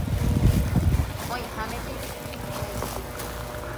oĩháme pipi'i raity